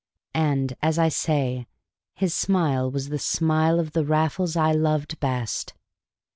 And, as I say, his smile was the smile of the Raffles I loved best.